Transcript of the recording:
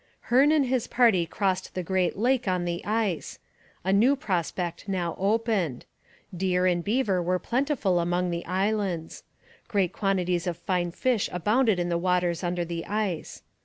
Hearne and his party crossed the great lake on the ice. A new prospect now opened. Deer and beaver were plentiful among the islands. Great quantities of fine fish abounded in the waters under the ice.